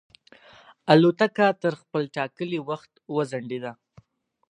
الوتکه تر خپل ټاکلي وخت وځنډېده.